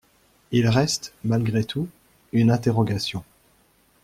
Il reste, malgré tout, une interrogation.